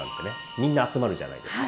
みんな集まるじゃないですか？